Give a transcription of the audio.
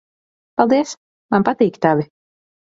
Paldies. Man patīk tavi.